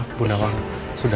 apapun apa yang terjadi